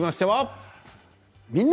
「みんな！